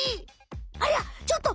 ありゃちょっと！